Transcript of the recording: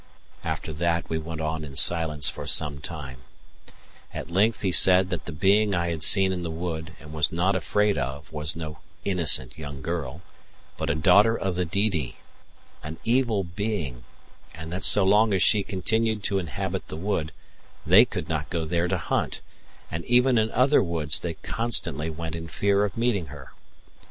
After that we went on in silence for some time; at length he said that the being I had seen in the wood and was not afraid of was no innocent young girl, but a daughter of the Didi, an evil being; and that so long as she continued to inhabit the wood they could not go there to hunt, and even in other woods they constantly went in fear of meeting her.